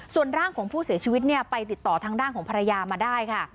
ส่วนร่างของผู้เสียชีวิตเนี่ยไปติดต่อทางด้านของภรรยามาได้ค่ะ